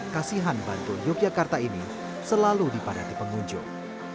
kasihan bantul yogyakarta ini selalu dipadati pengunjung